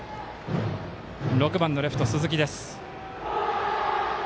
６番のレフト、鈴木です。